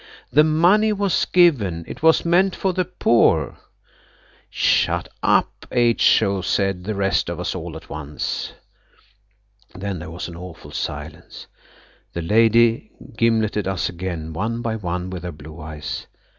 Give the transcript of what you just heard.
"The money was given!" "It was meant for the poor!" "Shut up, H.O.!" said the rest of us all at once. Then there was an awful silence. The lady gimleted us again one by one with her blue eyes.